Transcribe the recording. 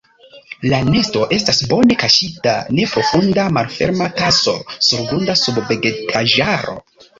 La nesto estas bone kaŝita neprofunda malferma taso surgrunda sub vegetaĵaro.